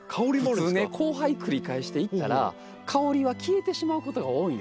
普通ね交配繰り返していったら香りは消えてしまうことが多いんですよね。